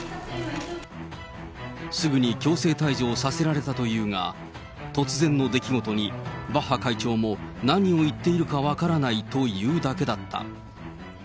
すぐに強制退場をさせられたというが、突然の出来事に、バッハ会長も、何を言っているか分からないと言うだけだった。